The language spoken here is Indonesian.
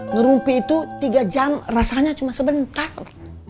ngerumpi itu tiga jam rasanya cuma sebentar